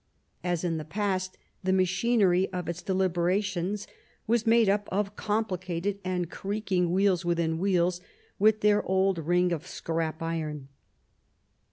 As in the past, the machinery of its deliberations was made up of complicated and creaking wheels within wheels, with their old ring of scrap iron.